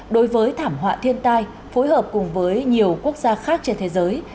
đối với thảm họa thiên tai phối hợp cùng với nhiều quốc gia khác trên thế giới